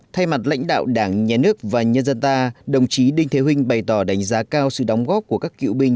thay mặt lãnh đạo đảng nhà nước và nhân dân ta đồng chí đinh thế huynh bày tỏ đánh giá cao sự đóng góp của các cựu binh